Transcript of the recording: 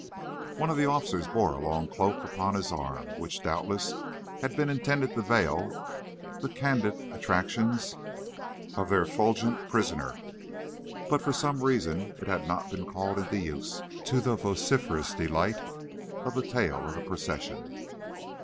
One of the officers bore a long cloak upon his arm, which, doubtless, had been intended to veil the candid attractions of their effulgent prisoner, but, for some reason, it had not been called into use, to the vociferous delight of the tail of the procession.